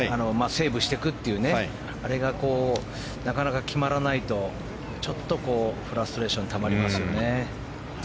セーブしていくというあれが、なかなか決まらないとちょっとフラストレーションがたまりますよね。